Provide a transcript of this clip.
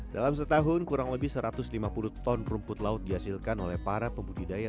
dalam setahun kurang lebih satu ratus lima puluh ton rumput laut dihasilkan oleh para pembudidaya